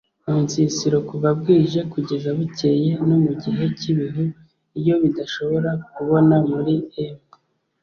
munsisiro kuva bwije kugeza bukeye no mugihe cyibihu iyo bidashobora kubona muri m